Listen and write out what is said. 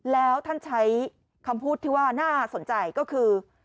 แล้วท่านใช้คำพูดที่ว่าน่าสนใจก็คือ